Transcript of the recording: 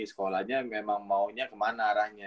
sekolahnya memang maunya kemana arahnya